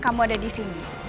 kamu ada di sini